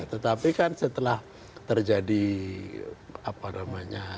tetapi kan setelah terjadi apa namanya